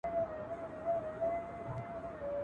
o وږی په خوب ډوډۍ ويني.